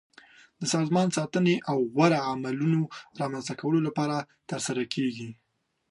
د سازمان ساتنې او غوره عملونو رامنځته کولو لپاره ترسره کیږي.